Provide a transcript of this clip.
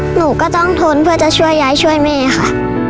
หนูก็ต้องทนเพื่อจะช่วยยายช่วยแม่ค่ะ